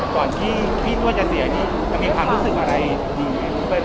ก่อนที่พี่ตัวจะเสียอันนี้จะมีความรู้สึกอะไรดีครับพี่เบิ้ล